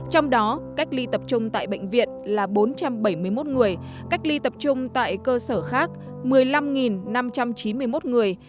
trong đó cách ly tập trung tại bệnh viện là bốn trăm bảy mươi một người cách ly tập trung tại cơ sở khác một mươi năm năm trăm chín mươi một người